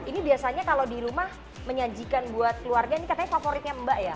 ini biasanya kalau di rumah menyajikan buat keluarga ini katanya favoritnya mbak ya